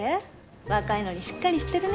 若いのにしっかりしてるね。